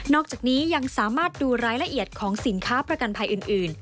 อกจากนี้ยังสามารถดูรายละเอียดของสินค้าประกันภัยอื่น